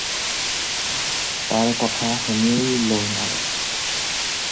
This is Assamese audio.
তাৰ কথা শুনিয়েই লৰ মাৰে।